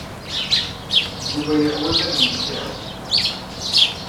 Yuba yeḥwaj ad yečč kra.